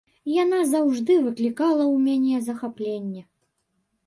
Яна заўжды выклікала ў мяне захапленне.